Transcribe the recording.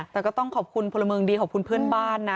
แต่ก็ต้องขอบคุณพลเมืองดีขอบคุณเพื่อนบ้านนะ